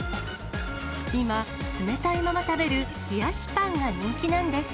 今、冷たいまま食べる冷やしパンが人気なんです。